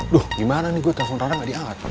duh gimana nih gue telepon rara gak diangkat